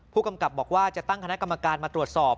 ผู้กำกับบอกว่าจะตั้งคณะกรรมการมาตรวจสอบ